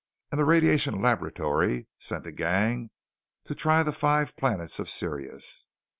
"And the Radiation Laboratory sent a gang to try the five planets of Sirius.